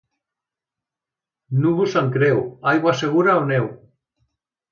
Núvols amb creu, aigua segura o neu.